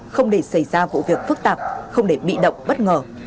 không để xảy ra vụ việc phức tạp không để bị động bất ngờ